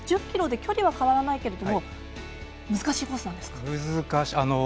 １０ｋｍで距離は変わらないけど難しいコースなんですか？